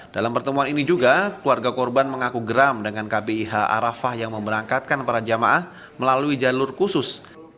dalam pertemuan ini juga keluarga korban mengaku geram dengan kbih arafah yang memberangkatkan para jamaah melalui jalur khusus